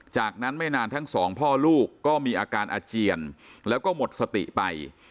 จากนั้นไม่นานทั้งสองพ่อลูกก็มีอาการอาเจียนแล้วก็หมดสติไป